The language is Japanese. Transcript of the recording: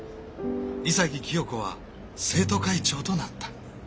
潔清子は生徒会長となった。